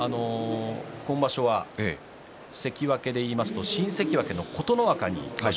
今場所は関脇でいいますと新関脇の琴ノ若に場所